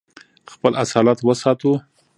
خپل اصالت وساتو.